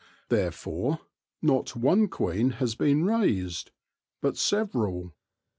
Therefore not one queen has been raised, but several.